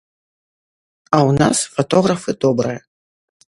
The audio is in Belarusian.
А ў нас фатографы добрыя.